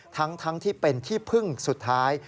ทั้งที่เป็นที่พึ่งสุดท้าย